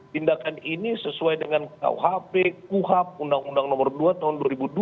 tindakan ini sesuai dengan kuhp kuhab undang undang nomor dua tahun dua ribu dua